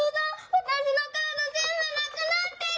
わたしのカードぜんぶなくなってる！